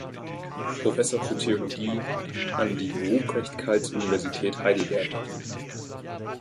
Professor für Theologie an die Ruprecht-Karls-Universität Heidelberg.